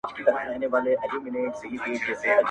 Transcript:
ګراني افغاني زما خوږې خورکۍ،